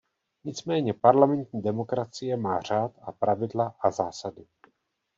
Nicméně parlamentní demokracie má řád a pravidla a zásady.